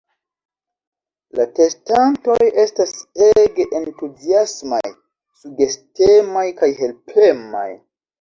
La testantoj estas ege entuziasmaj, sugestemaj kaj helpemaj.